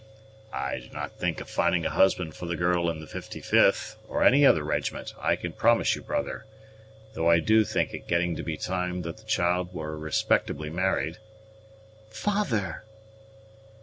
"I do not think of finding a husband for the girl in the 55th, or any other regiment, I can promise you, brother; though I do think it getting to be time that the child were respectably married." "Father!"